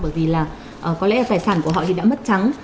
bởi vì là có lẽ cái sản của họ thì đã mất trắng